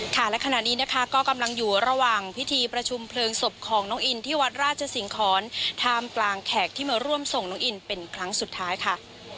และขณะนี้นะคะก็กำลังอยู่ระหว่างพิธีประชุมเพลิงศพของน้องอินที่วัดราชสิงหอนท่ามกลางแขกที่มาร่วมส่งน้องอินเป็นครั้งสุดท้ายค่ะ